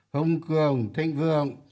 hồng cường thanh vương